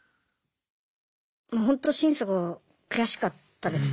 もうほんと心底悔しかったですね。